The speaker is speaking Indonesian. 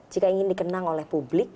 jika ingin dikenang oleh publik